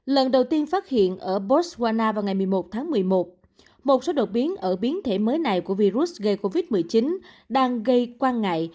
lần đầu tiên phát hiện ở botswana vào ngày một mươi một tháng một mươi một một số đột biến ở biến thể mới này của virus gây covid một mươi chín đang gây quan ngại